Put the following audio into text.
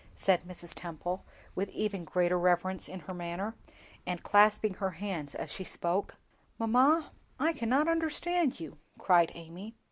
said Mrs. Temple, with even greater reverence in her manner, and clasping her hands as she spoke. "Mamma, I cannot understand you!" cried Amy.